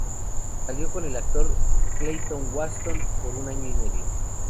Salió con el actor Clayton Watson por un año y medio.